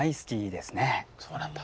そうなんだ。